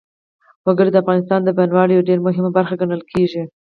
وګړي د افغانستان د بڼوالۍ یوه ډېره مهمه برخه ګڼل کېږي.